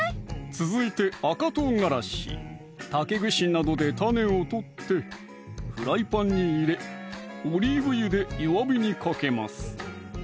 続いて赤唐辛子竹串などで種を取ってフライパンに入れオリーブ油で弱火にかけます